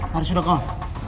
hari sudah kalah